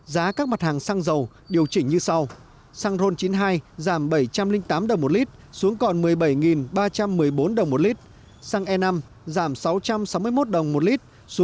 giá các mặt hàng xăng dầu điều chỉnh như sau